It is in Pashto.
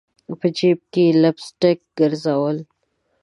په جیب کي لپ سټک ګرزول